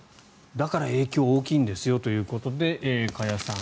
だから影響が大きいんですよということで、加谷さん。